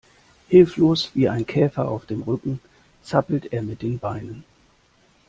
Hilflos wie ein Käfer auf dem Rücken zappelt er mit den Beinen.